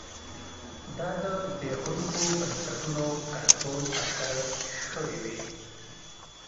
دا د زبېښونکو بنسټونو کنټرول پر سر شخړې وې